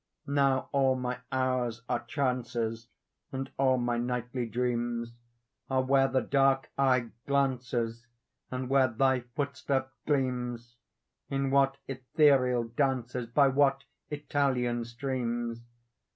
Now all my hours are trances; And all my nightly dreams Are where the dark eye glances, And where thy footstep gleams, In what ethereal dances, By what Italian streams.